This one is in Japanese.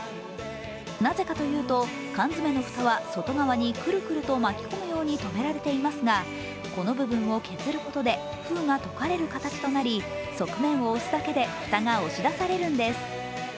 なぜかというと、缶詰の蓋は外側にくるくると巻き込むようにとめられていますが、この部分を削ることで封が解かれる形となり側面を押すだけで蓋が押し出されるんです。